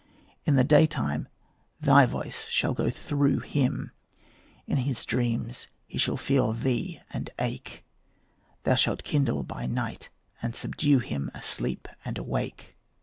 In the daytime thy voice shall go through him, In his dreams he shall feel thee and ache; Thou shalt kindle by night and subdue him Asleep and awake.